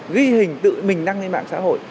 ghi hình tự mình đăng lên mạng xã hội